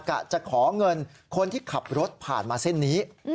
กะจะขอเงินคนที่ขับรถผ่านมาเส้นนี้